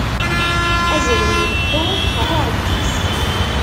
Azrem ileḥḥu ɣef uɛeddis.